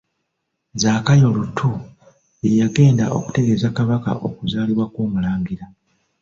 Zakayo Lutu, ye yagenda okutegeeza Kabaka okuzaalibwa kw'Omulangira.